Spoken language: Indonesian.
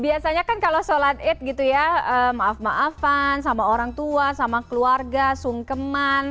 biasanya kan kalau sholat id gitu ya maaf maafan sama orang tua sama keluarga sungkeman